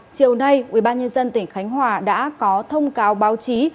chiều nay ubnd tỉnh khánh hòa đã có thông cáo báo chí